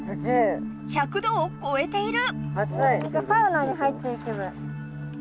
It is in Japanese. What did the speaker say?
１００度をこえている！